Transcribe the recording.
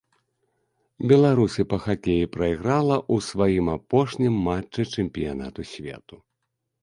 Беларусі па хакеі прайграла ў сваім апошнім матчы чэмпіянату свету.